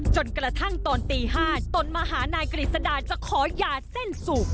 จนกระทั่งตอนตี๕ตนมาหานายกฤษดาจะขอยาเส้นสูบ